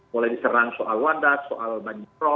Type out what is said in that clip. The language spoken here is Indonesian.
mulai diserang soal wadah soal banyak prof